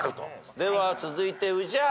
では続いて宇治原。